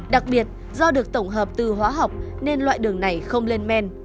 đặc biệt do được tổng hợp từ hóa học nên loại đường này không lên men